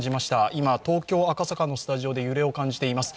今、東京・赤坂のスタジオで揺れを感じています。